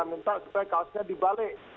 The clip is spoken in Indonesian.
kemudian kita minta supaya kaosnya dibalik